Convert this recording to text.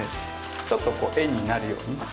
ちょっとこう円になるように。